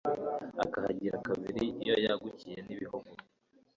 Akahigira kabiri. Iyo yagukiye n'ibihugu,